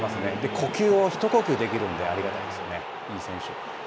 呼吸を、一呼吸できるんでありがたいですよね。